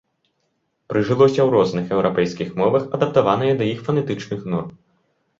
Прыжылося ў розных еўрапейскіх мовах, адаптаванае да іх фанетычных норм.